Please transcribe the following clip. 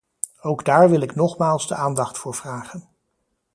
Ook daar wil ik nogmaals de aandacht voor vragen.